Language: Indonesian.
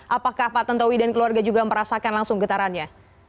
apakah pak tontowi dan keluarga juga merasakan langsung getarannya